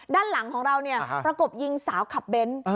ด้านหลังของเราเนี่ยประกบยิงสาวขับเบนท์